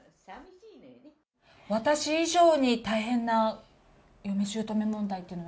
私以上に大変な嫁しゅうとめ問題というのが。